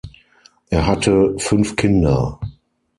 Er hatte fünf Kinder.